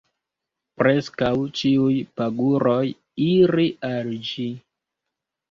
Preskaŭ ĉiuj paguroj iri al ĝi.